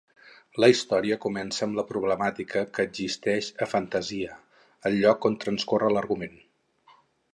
La història comença amb la problemàtica que existeix a Fantasia, el lloc on transcorre l'argument.